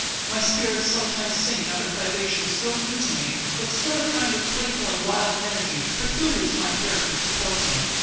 My spirits sometimes sink under privations so new to me, but still a kind of playful and wild energy, peculiar to my character, supports me.